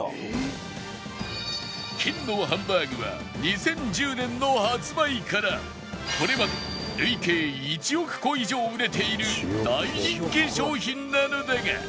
金のハンバーグは２０１０年の発売からこれまで累計１億個以上売れている大人気商品なのだが